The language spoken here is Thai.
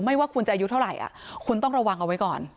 ว่าคุณจะอายุเท่าไหร่คุณต้องระวังเอาไว้ก่อน